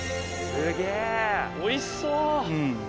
すげぇおいしそう。